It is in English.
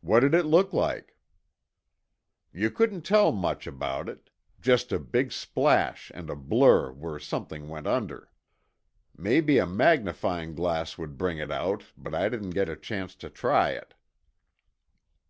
"What did it look like?" "You couldn't tell much about it just a big splash and a blur where something went under. Maybe a magnifying glass would bring it out, but I didn't get a chance to try it."